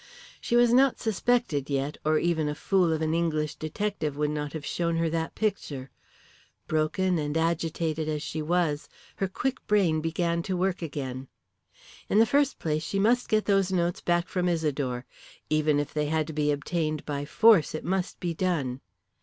She was not suspected yet, or even a fool of an English detective would not have shown her that picture. Broken and agitated as she was, her quick brain began to work again. In the first place she must get those notes back from Isidore. Even if they had to be obtained by force it must be done.